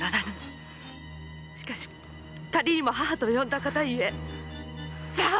しかし仮にも義母と呼んだ方ゆえさあ！